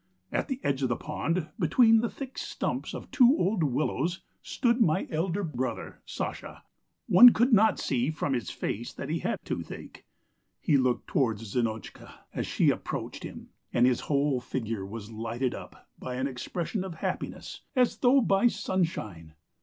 At the edge of the pond, between the thick stumps of two old willows, stood my elder brother, Sasha; one could not see from his face that he had toothache. He looked towards Zinotchka as she approached him, and his whole figure was lighted up by an expression of happiness as though by sunshine.